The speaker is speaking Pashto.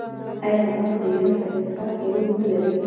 آیا افغانان د ایران په اقتصاد کې رول نلري؟